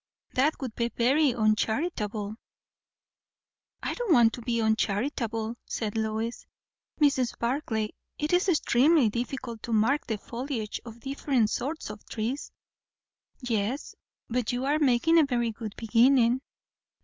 That would be very uncharitable." "I do not want to be uncharitable," said Lois. "Mrs. Barclay, it is extremely difficult to mark the foliage of different sorts of trees!" "Yes, but you are making a very good beginning.